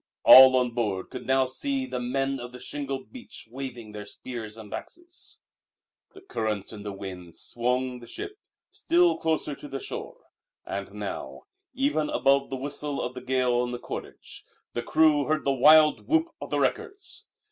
All on board could now see the Men of the Shingle Beach waving their spears and axes. The current and the wind swung the ship still closer to the shore, and now even above the whistle of the gale in the cordage the crew heard the wild whoop of the wreckers.